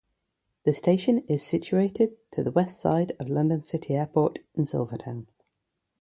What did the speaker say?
The station is situated to the west side of London City Airport in Silvertown.